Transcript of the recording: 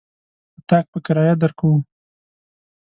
اطاق په کرايه درکوو.